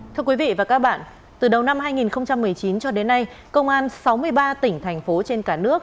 thưa quý vị và các bạn từ đầu năm hai nghìn một mươi chín cho đến nay công an sáu mươi ba tỉnh thành phố trên cả nước